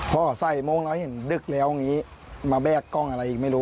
พอใส่โมงแล้วเห็นดึกแล้วอย่างนี้มาแบกกล้องอะไรอีกไม่รู้